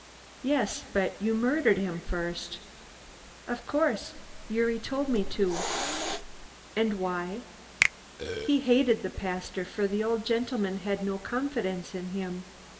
"Yes, but you murdered him first." "Of course, Gyuri told me to." "And why?" "He hated the pastor, for the old gentleman had no confidence in him."